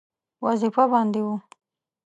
وظیفه باندې وو.